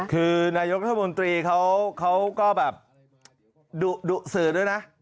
คือนายกรัฐมนตรีเขาก็แบบดุสื่อด้วยนะ